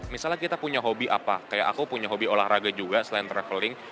misalnya kita punya hobi apa kayak aku punya hobi olahraga juga selain traveling